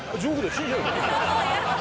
死んじゃう。